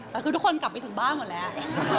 แต่คือทุกคนกลับไปถึงบ้านหมดแล้ว